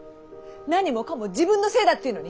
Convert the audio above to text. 何もかも自分のせいだっていうのに。